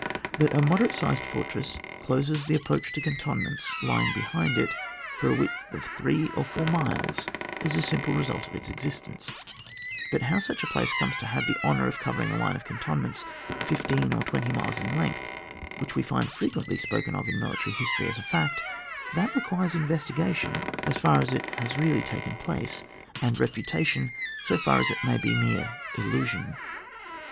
That a moderate sized fortress closes the approach to cantonments lying behind it for a width of three or four milesis a simple result of its existence ; but how such a place comes to have the honour of covering a line of cantonments fifteen or twenty miles in length, which we find frequently spoken of in military history as a fact — that requires investi gation as far as it has really taken place, and refutation so far as it may be mere illusion.